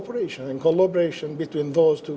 persiapan dan kolaborasi antara dua negara itu